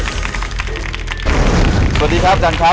สวัสดีครับจันครับ